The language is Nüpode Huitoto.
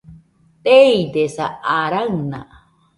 Teidesa, aa raɨna